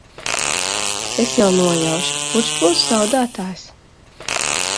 Es jau nojaušu, kurš būs zaudētājs.